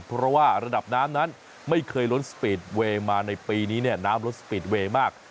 เพราะว่าระดับน้ำนั้นไม่เคยล้นสปีดเวย์มาในปีนี้เนี่ยน้ำลดสปีดเวย์มาก